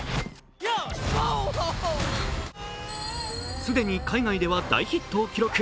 既に海外では大ヒットを記録。